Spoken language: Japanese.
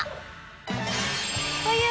という